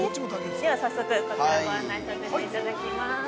では早速、こちら、ご案内させていただきます。